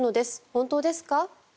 本当ですか？